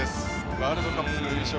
ワールドカップの優勝